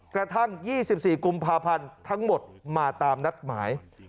กระทั่ง๒๔กุมภาพันธ์ทั้งหมดมาตามนัดหมาย